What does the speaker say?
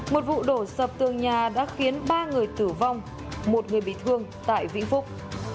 một vụ đổ sập tường nhà đã khiến ba người tử vong một người bị thương tại vĩnh phúc